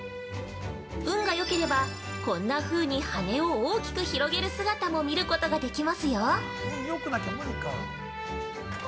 運がよければ、こんな風に羽を大きく広げる姿も見ることができますよ。